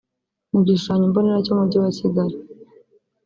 Mu gishushanyombonera cy’Umujyi wa Kigali